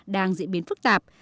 đang diễn biến phức tạp